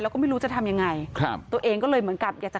แล้วก็ไม่รู้จะทำยังไงครับตัวเองก็เลยเหมือนกับอยากจะ